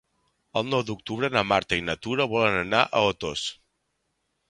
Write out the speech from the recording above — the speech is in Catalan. El nou d'octubre na Marta i na Tura volen anar a Otos.